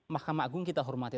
mahkamah agung kita hormati